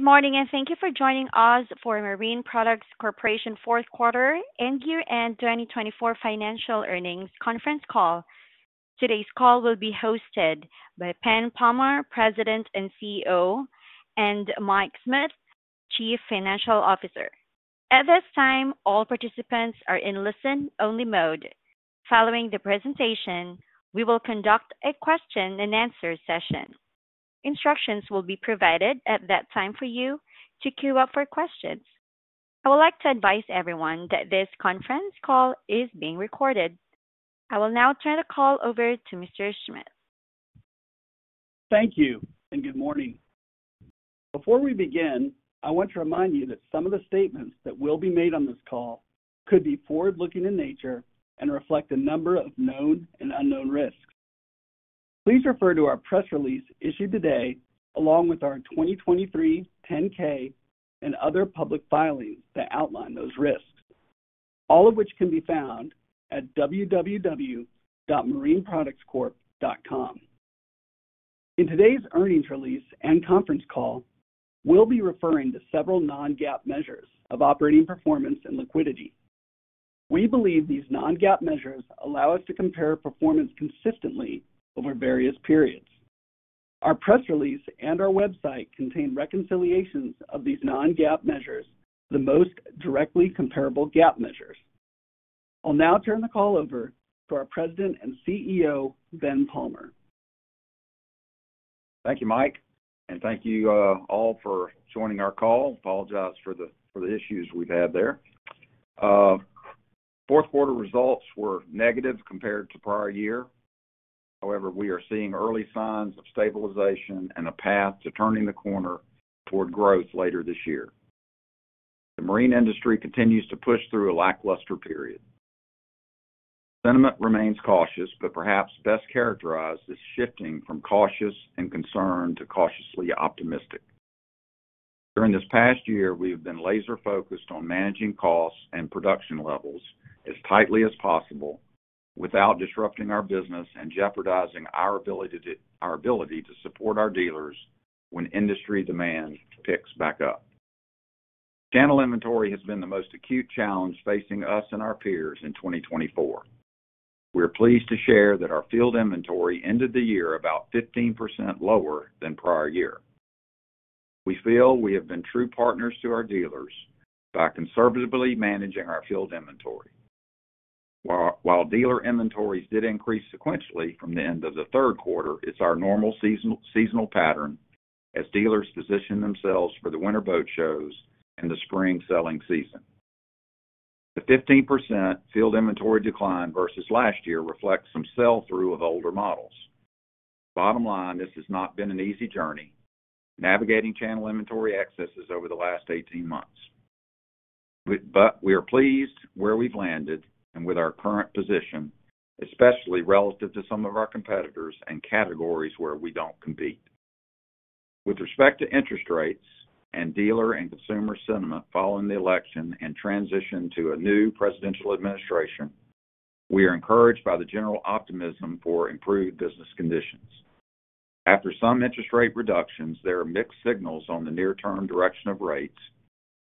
Good morning, and thank you for joining us for Marine Products Corporation Fourth Quarter and Year-End 2024 Financial Earnings Conference Call. Today's call will be hosted by Ben Palmer, President and CEO, and Mike Schmit, Chief Financial Officer. At this time, all participants are in listen-only mode. Following the presentation, we will conduct a question-and-answer session. Instructions will be provided at that time for you to queue up for questions. I would like to advise everyone that this conference call is being recorded. I will now turn the call over to Mr. Schmit. Thank you, and good morning. Before we begin, I want to remind you that some of the statements that will be made on this call could be forward-looking in nature and reflect a number of known and unknown risks. Please refer to our press release issued today, along with our 2023 10-K and other public filings that outline those risks, all of which can be found at www.marineproductscorp.com. In today's earnings release and conference call, we'll be referring to several Non-GAAP measures of operating performance and liquidity. We believe these Non-GAAP measures allow us to compare performance consistently over various periods. Our press release and our website contain reconciliations of these Non-GAAP measures, the most directly comparable GAAP measures. I'll now turn the call over to our President and CEO, Ben Palmer. Thank you, Mike, and thank you all for joining our call. I apologize for the issues we've had there. Fourth quarter results were negative compared to prior year. However, we are seeing early signs of stabilization and a path to turning the corner toward growth later this year. The marine industry continues to push through a lackluster period. Sentiment remains cautious, but perhaps best characterized as shifting from cautious and concerned to cautiously optimistic. During this past year, we have been laser-focused on managing costs and production levels as tightly as possible without disrupting our business and jeopardizing our ability to support our dealers when industry demand picks back up. Channel inventory has been the most acute challenge facing us and our peers in 2024. We are pleased to share that our field inventory ended the year about 15% lower than prior year. We feel we have been true partners to our dealers by conservatively managing our field inventory. While dealer inventories did increase sequentially from the end of the third quarter, it's our normal seasonal pattern as dealers position themselves for the winter boat shows and the spring selling season. The 15% field inventory decline versus last year reflects some sell-through of older models. Bottom line, this has not been an easy journey navigating channel inventory excesses over the last 18 months. But we are pleased where we've landed and with our current position, especially relative to some of our competitors and categories where we don't compete. With respect to interest rates and dealer and consumer sentiment following the election and transition to a new presidential administration, we are encouraged by the general optimism for improved business conditions. After some interest rate reductions, there are mixed signals on the near-term direction of rates,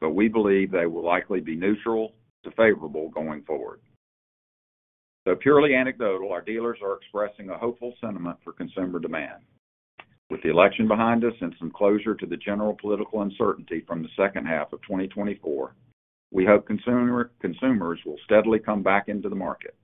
but we believe they will likely be neutral to favorable going forward. Though purely anecdotal, our dealers are expressing a hopeful sentiment for consumer demand. With the election behind us and some closure to the general political uncertainty from the second half of 2024, we hope consumers will steadily come back into the market.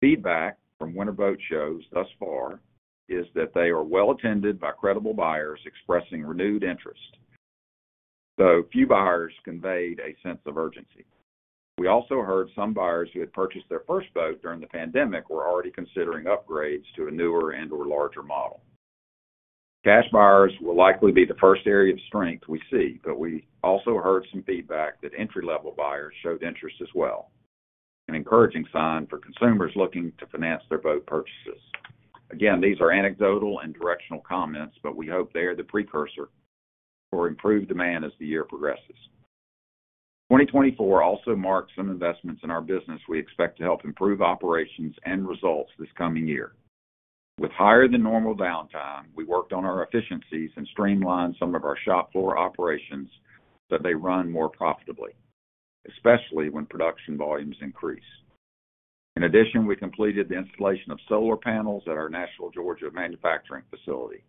Feedback from winter boat shows thus far is that they are well attended by credible buyers expressing renewed interest, though few buyers conveyed a sense of urgency. We also heard some buyers who had purchased their first boat during the pandemic were already considering upgrades to a newer and/or larger model. Cash buyers will likely be the first area of strength we see, but we also heard some feedback that entry-level buyers showed interest as well, an encouraging sign for consumers looking to finance their boat purchases. Again, these are anecdotal and directional comments, but we hope they are the precursor for improved demand as the year progresses. 2024 also marked some investments in our business we expect to help improve operations and results this coming year. With higher than normal downtime, we worked on our efficiencies and streamlined some of our shop floor operations so they run more profitably, especially when production volumes increase. In addition, we completed the installation of solar panels at our Nashville, Georgia, manufacturing facility.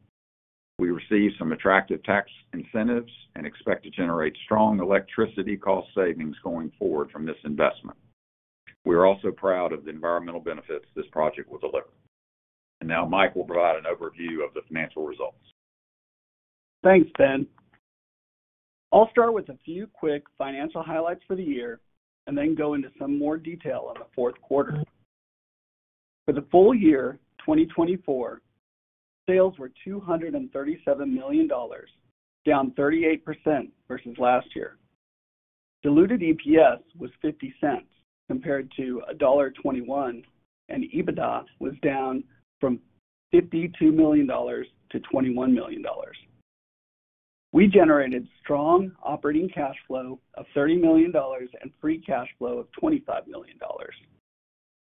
We received some attractive tax incentives and expect to generate strong electricity cost savings going forward from this investment. We are also proud of the environmental benefits this project will deliver. And now, Mike will provide an overview of the financial results. Thanks, Ben. I'll start with a few quick financial highlights for the year and then go into some more detail on the fourth quarter. For the full year, 2024, sales were $237 million, down 38% versus last year. Diluted EPS was $0.50 compared to $1.21, and EBITDA was down from $52 million to $21 million. We generated strong operating cash flow of $30 million and free cash flow of $25 million.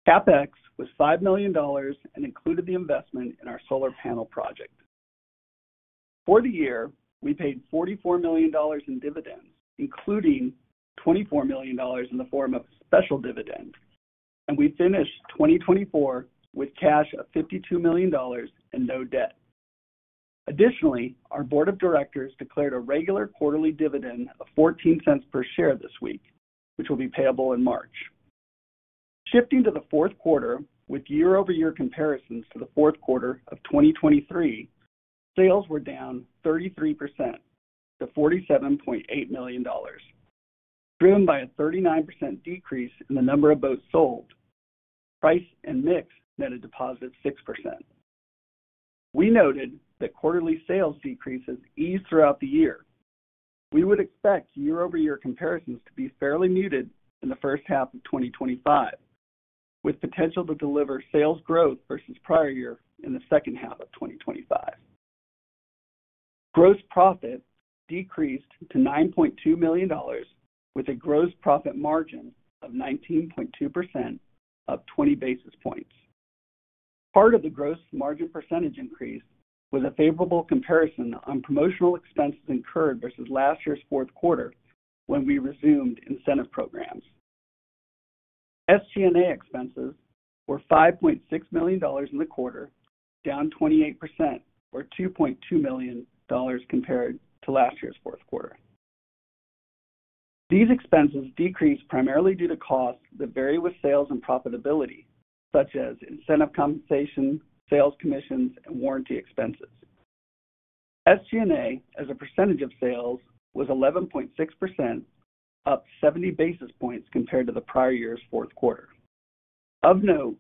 CapEx was $5 million and included the investment in our solar panel project. For the year, we paid $44 million in dividends, including $24 million in the form of a special dividend, and we finished 2024 with cash of $52 million and no debt. Additionally, our board of directors declared a regular quarterly dividend of $0.14 per share this week, which will be payable in March. Shifting to the fourth quarter, with year-over-year comparisons to the fourth quarter of 2023, sales were down 33% to $47.8 million, driven by a 39% decrease in the number of boats sold, price and mix netted a positive of 6%. We noted that quarterly sales decreases eased throughout the year. We would expect year-over-year comparisons to be fairly muted in the first half of 2025, with potential to deliver sales growth versus prior year in the second half of 2025. Gross profit decreased to $9.2 million, with a gross profit margin of 19.2%, up 20 basis points. Part of the gross margin percentage increase was a favorable comparison on promotional expenses incurred versus last year's fourth quarter when we resumed incentive programs. SG&A expenses were $5.6 million in the quarter, down 28%, or $2.2 million compared to last year's fourth quarter. These expenses decreased primarily due to costs that vary with sales and profitability, such as incentive compensation, sales commissions, and warranty expenses. SG&A, as a percentage of sales, was 11.6%, up 70 basis points compared to the prior year's fourth quarter. Of note,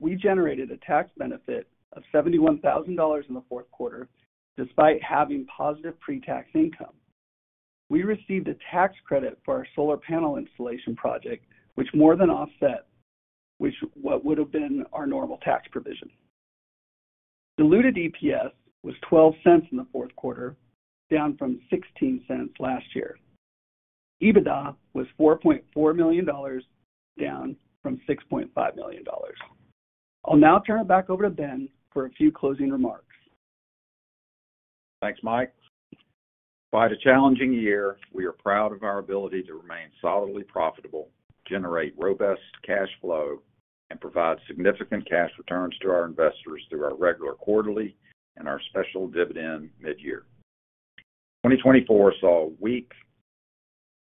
we generated a tax benefit of $71,000 in the fourth quarter despite having positive pre-tax income. We received a tax credit for our solar panel installation project, which more than offset what would have been our normal tax provision. Diluted EPS was $0.12 in the fourth quarter, down from $0.16 last year. EBITDA was $4.4 million, down from $6.5 million. I'll now turn it back over to Ben for a few closing remarks. Thanks, Mike. Despite a challenging year, we are proud of our ability to remain solidly profitable, generate robust cash flow, and provide significant cash returns to our investors through our regular quarterly and our special dividend mid-year. 2024 saw weak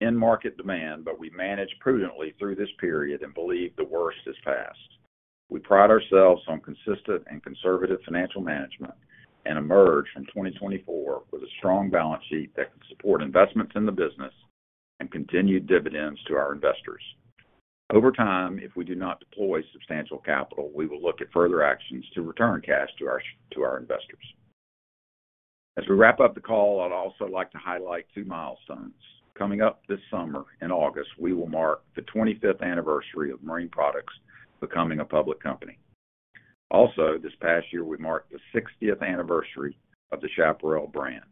in-market demand, but we managed prudently through this period and believe the worst is past. We pride ourselves on consistent and conservative financial management and emerge from 2024 with a strong balance sheet that can support investments in the business and continued dividends to our investors. Over time, if we do not deploy substantial capital, we will look at further actions to return cash to our investors. As we wrap up the call, I'd also like to highlight two milestones. Coming up this summer, in August, we will mark the 25th anniversary of Marine Products becoming a public company. Also, this past year, we marked the 60th anniversary of the Chaparral brand,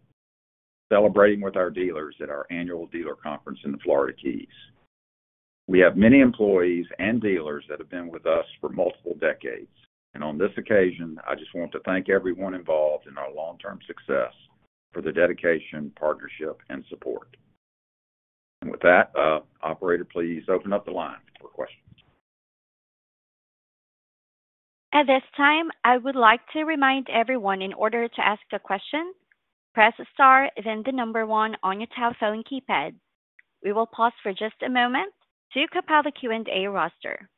celebrating with our dealers at our annual dealer conference in the Florida Keys. We have many employees and dealers that have been with us for multiple decades, and on this occasion, I just want to thank everyone involved in our long-term success for the dedication, partnership, and support. And with that, Operator, please open up the line for questions. At this time, I would like to remind everyone in order to ask a question, press star, then the number one on your telephone keypad. We will pause for just a moment to compile the Q&A roster.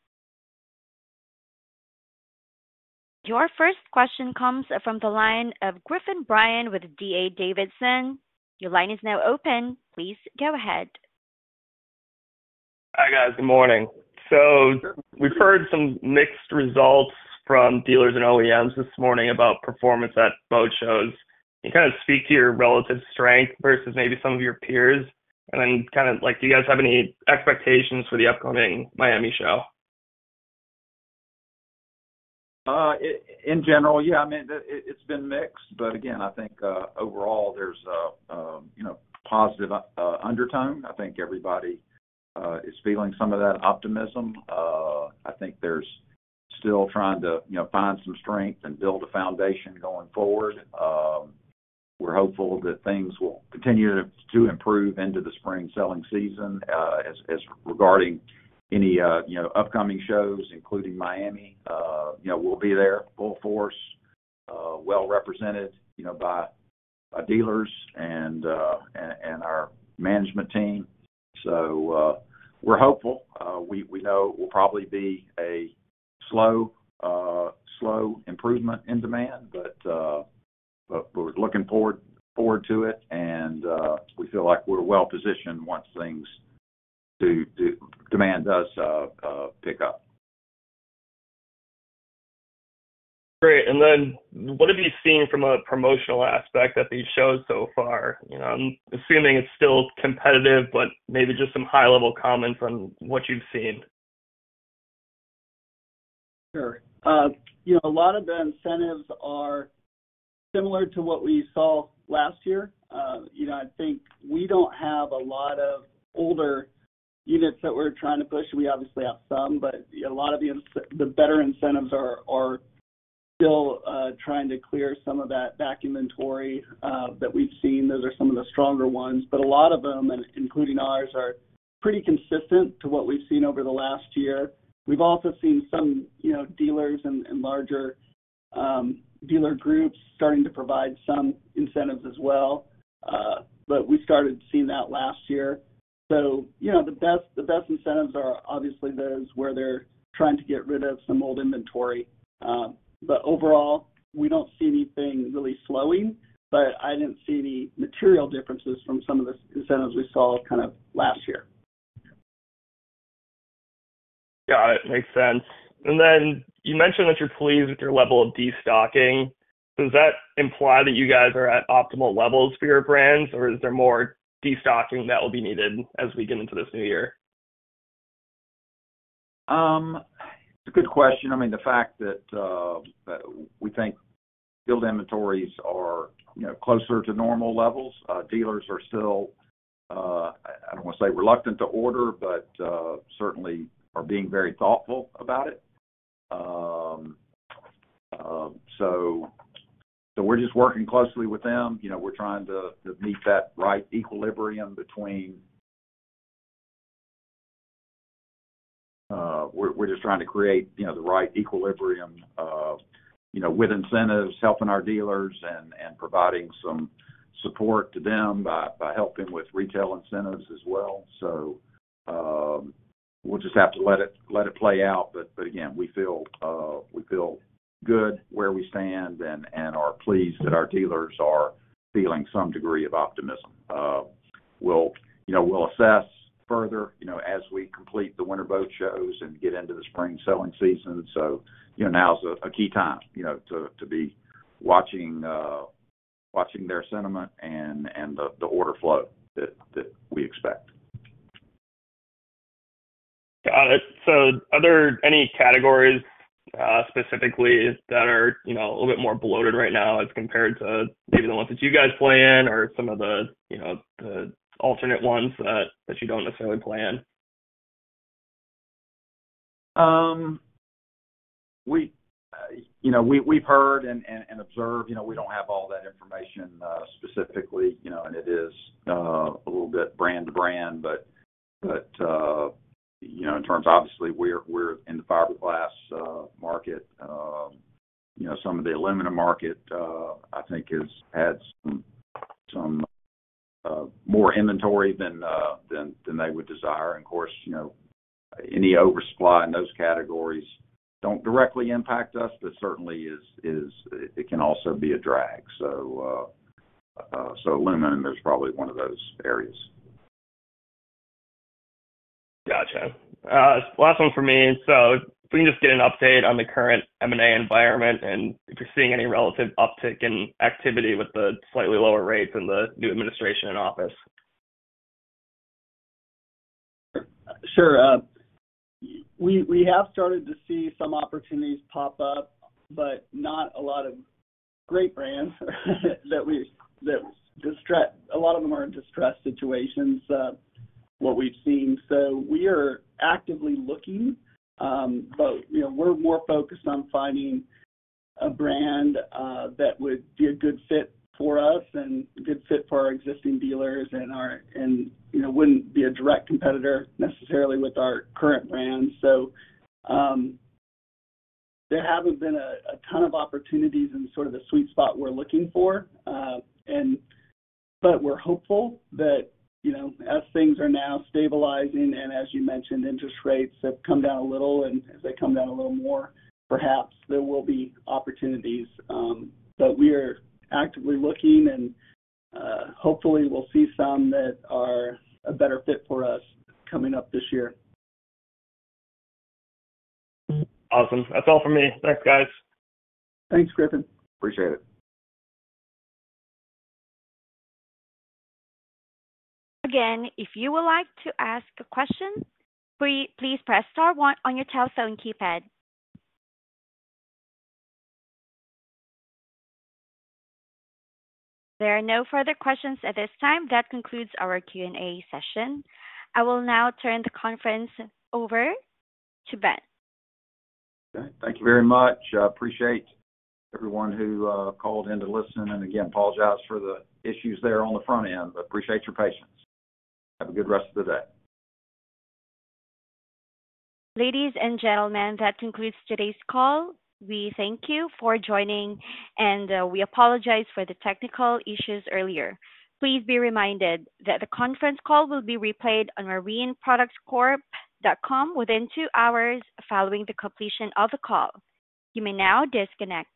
Your first question comes from the line of Griffin Bryan with D.A. Davidson. Your line is now open. Please go ahead. Hi, guys. Good morning. So we've heard some mixed results from dealers and OEMs this morning about performance at boat shows. Can you kind of speak to your relative strength versus maybe some of your peers? And then kind of like, do you guys have any expectations for the upcoming Miami show? In general, yeah. I mean, it's been mixed, but again, I think overall there's a positive undertone. I think everybody is feeling some of that optimism. I think they're still trying to find some strength and build a foundation going forward. We're hopeful that things will continue to improve into the spring selling season regarding any upcoming shows, including Miami. We'll be there, full force, well represented by dealers and our management team. So we're hopeful. We know it will probably be a slow improvement in demand, but we're looking forward to it, and we feel like we're well positioned once the demand does pick up. Great. And then what have you seen from a promotional aspect at these shows so far? I'm assuming it's still competitive, but maybe just some high-level comments on what you've seen. Sure. A lot of the incentives are similar to what we saw last year. I think we don't have a lot of older units that we're trying to push. We obviously have some, but a lot of the better incentives are still trying to clear some of that back inventory that we've seen. Those are some of the stronger ones, but a lot of them, including ours, are pretty consistent to what we've seen over the last year. We've also seen some dealers and larger dealer groups starting to provide some incentives as well, but we started seeing that last year, so the best incentives are obviously those where they're trying to get rid of some old inventory, but overall, we don't see anything really slowing, but I didn't see any material differences from some of the incentives we saw kind of last year. Got it. Makes sense. And then you mentioned that you're pleased with your level of destocking. Does that imply that you guys are at optimal levels for your brands, or is there more destocking that will be needed as we get into this new year? It's a good question. I mean, the fact that we think field inventories are closer to normal levels. Dealers are still. I don't want to say reluctant to order, but certainly are being very thoughtful about it. So we're just working closely with them. We're just trying to create the right equilibrium with incentives, helping our dealers and providing some support to them by helping with retail incentives as well. So we'll just have to let it play out. But again, we feel good where we stand and are pleased that our dealers are feeling some degree of optimism. We'll assess further as we complete the winter boat shows and get into the spring selling season. So now's a key time to be watching their sentiment and the order flow that we expect. Got it, so are there any categories specifically that are a little bit more bloated right now as compared to maybe the ones that you guys play in or some of the alternate ones that you don't necessarily play in? We've heard and observed. We don't have all that information specifically, and it is a little bit brand to brand. But in terms of obviously, we're in the fiberglass market. Some of the aluminum market, I think, has had some more inventory than they would desire. And of course, any oversupply in those categories don't directly impact us, but certainly it can also be a drag. So aluminum is probably one of those areas. Gotcha. Last one for me. So if we can just get an update on the current M&A environment and if you're seeing any relative uptick in activity with the slightly lower rates and the new administration in office? Sure. We have started to see some opportunities pop up, but not a lot of great brands, a lot of them are in distressed situations, what we've seen. We are actively looking, but we're more focused on finding a brand that would be a good fit for us and a good fit for our existing dealers and wouldn't be a direct competitor necessarily with our current brand. There haven't been a ton of opportunities in sort of the sweet spot we're looking for. We're hopeful that as things are now stabilizing and as you mentioned, interest rates have come down a little, and as they come down a little more, perhaps there will be opportunities. We are actively looking, and hopefully, we'll see some that are a better fit for us coming up this year. Awesome. That's all for me. Thanks, guys. Thanks, Griffin. Appreciate it. Again, if you would like to ask a question, please press star one on your telephone keypad. There are no further questions at this time. That concludes our Q&A session. I will now turn the conference over to Ben. Okay. Thank you very much. Appreciate everyone who called in to listen. And again, apologize for the issues there on the front end, but appreciate your patience. Have a good rest of the day. Ladies and gentlemen, that concludes today's call. We thank you for joining, and we apologize for the technical issues earlier. Please be reminded that the conference call will be replayed on marineproductscorp.com within two hours following the completion of the call. You may now disconnect.